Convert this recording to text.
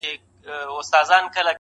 • غواړمه چي دواړي سترگي ورکړمه.